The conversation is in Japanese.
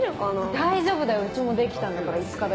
大丈夫だようちもできたんだから５日だけど。